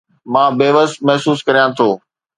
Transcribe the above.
مان بيوس محسوس ڪريان ٿو